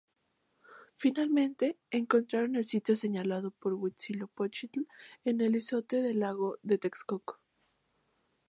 Finalmente, encontraron el sitio señalado por Huitzilopochtli en un islote del lago de Texcoco.